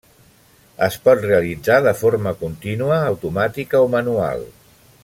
Es pot realitzar de forma contínua, automàtica o manual.